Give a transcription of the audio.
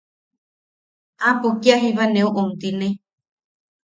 Aapo kia jiba neu omtine.